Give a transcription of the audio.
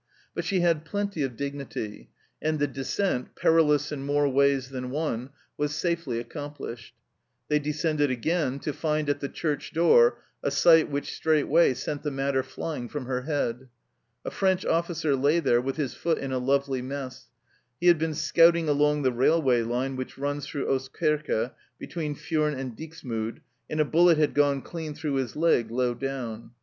But she had plenty of dignity, and the descent, perilous in more ways than one, was safely accomplished. They descended again, to find at the church door a sight which straightway sent the matter flying from her head. A French officer lay there with his foot in "a lovely mess." He had been scouting along the railway line which runs through Oostkerke, between Furnes and Dixmude, and a bullet had gone clean through his leg low down.